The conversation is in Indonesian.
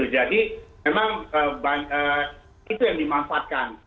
jadi memang itu yang dimanfaatkan